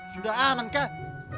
sudah aman kak